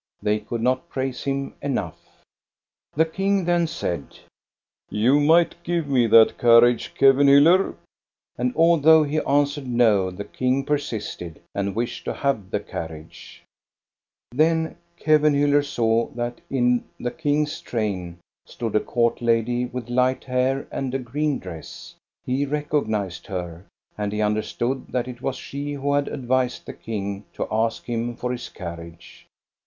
They could not praise him enough. The king then said: "You might give me that carriage, Kevenhuller. " And although he answered 420 THE STORY OF GOSTA BE RUNG no^ the king persisted and wished to have the carriage. Thep Kevenhuller saw that in the king's train stood a court lady with light hair and a green dress. He recognized her, and he understood that it was she who had advised the king to ask him for his carriage.